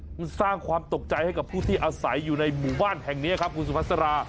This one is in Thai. มันสร้างความตกใจให้กับผู้ที่อาศัยอยู่ในหมู่บ้านแห่งนี้ครับคุณสุภาษา